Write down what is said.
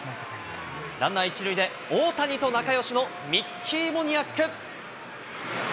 ランナー１塁で、大谷と仲よしのミッキー・モニアック。